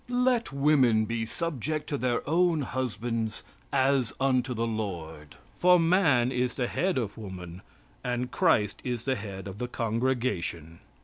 Let women be subject to their own husbands as unto the Lord, for man is the head of woman, and Christ is the head of the congregation."